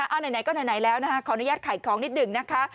เอาไหนก็ไหนแล้วนะคะขออนุญาตขายของนิดหนึ่งนะคะ